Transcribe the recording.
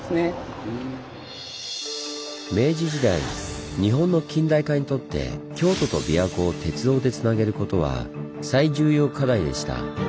明治時代日本の近代化にとって京都と琵琶湖を鉄道でつなげることは最重要課題でした。